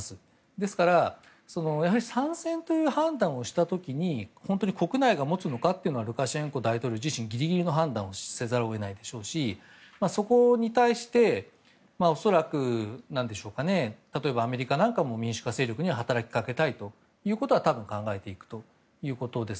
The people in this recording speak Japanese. ですからやはり参戦という判断をした時に本当に国内が持つのかというのはルカシェンコ大統領自身ギリギリの判断をせざるを得ないでしょうしそこに対して、恐らく例えば、アメリカなんかも民主化勢力に働きかけたいというのは多分、考えていくということです。